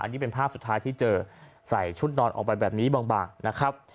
อันนี้เป็นภาพสุดท้ายที่เจอใส่ชุดนอนออกไปแบบนี้บางนะครับ